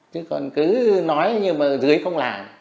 chứ còn cứ nói như mà dưới không làm